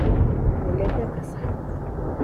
Violeta Casal.